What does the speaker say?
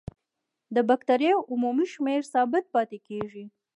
د بکټریاوو عمومي شمېر ثابت پاتې کیږي.